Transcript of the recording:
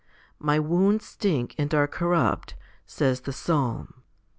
My wounds stink and are corrupt, says the Psalm.